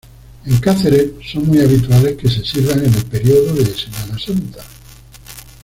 En Cáceres son muy habituales que se sirvan en el periodo de Semana Santa.